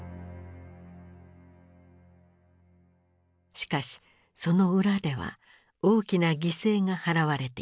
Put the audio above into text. しかしその裏では大きな犠牲が払われていた。